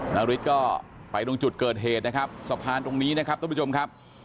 นาริสก็ไปตรงจุดเกิดเหตุนะครับสะพานตรงนี้นะครับท่านผู้ชมครับ